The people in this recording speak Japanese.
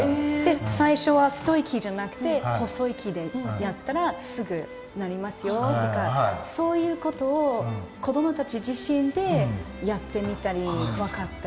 最初は太い木じゃなくて細い木でやったらすぐなりますよとかそういうことを子供たち自身でやってみたり分かったり。